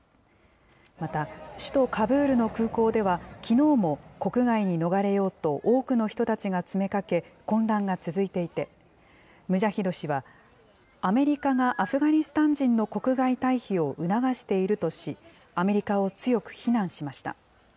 また首都カブールの空港では、きのうも国外に逃れようと多くの人たちが詰めかけ混乱が続いていて、ムジャヒド氏は、アメリカがアフガニスタン人の国外退避を促しているとし、アメリカを強く非難しました。